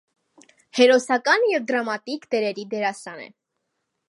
Հերոսական և դրամատիկ դերերի դերասան է։